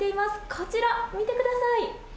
こちら見てください。